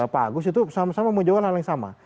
pak agus itu sama sama menjual hal yang sama